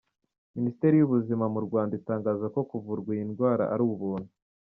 Minisiteri y’Ubuzima mu Rwanda itangaza ko kuvurwa iyi ndwara ari ubuntu.